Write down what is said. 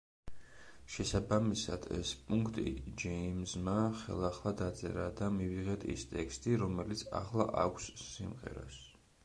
შესაბამისად, ეს პუნქტი ჯეიმზმა ხელახლა დაწერა და მივიღეთ ის ტექსტი, რომელიც ახლა აქვს სიმღერას.